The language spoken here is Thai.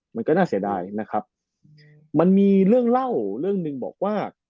มันก็น่าเสียดายนะครับมันมีเรื่องเล่าเรื่องหนึ่งบอกว่า